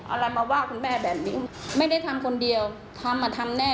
อะไรมาว่าคุณแม่แบบนี้ไม่ได้ทำคนเดียวทำอ่ะทำแน่